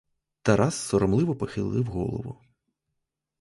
Тарас соромливо похилив голову.